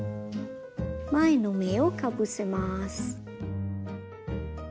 前の目をかぶせます。